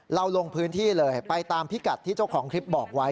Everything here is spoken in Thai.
ลงพื้นที่เลยไปตามพิกัดที่เจ้าของคลิปบอกไว้